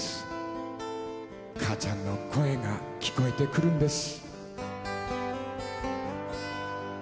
母ちゃんの声が聞こえてくるんです」